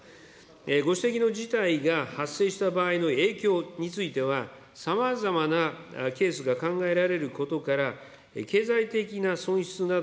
ご指摘の事態が発生した場合の影響については、さまざまなケースが考えられることから、経済的な損失など、